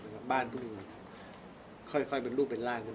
ยังไม่เสร็จเลยเนี่ย